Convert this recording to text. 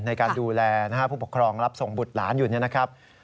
ในการดูแลผู้ปกครองรับส่งบุตรหลานอยู่เนี่ยนะครับ